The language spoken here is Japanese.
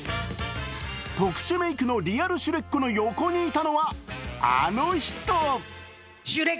特殊メークのリアルシュレックの横にいたのは、あの人。